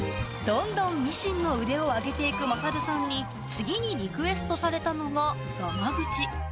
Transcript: どんどんミシンの腕を上げていく勝さんに、次にリクエストされたのががまぐち。